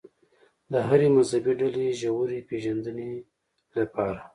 د هرې مذهبي ډلې ژورې پېژندنې لپاره.